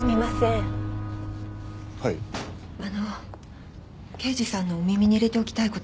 あの刑事さんのお耳に入れておきたい事が。